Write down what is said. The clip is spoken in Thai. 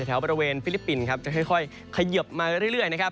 แถวบริเวณฟิลิปปินจะค่อยขยบมาเรื่อย